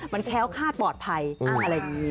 มันแค้วคาดปลอดภัยอะไรอย่างนี้